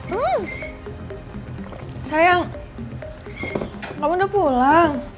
tidak ada apa apa